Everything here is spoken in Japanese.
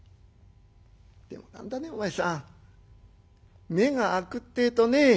でも何だねお前さん目が明くってえとね